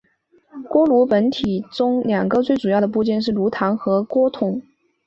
锅炉本体中两个最主要的部件是炉膛和锅筒。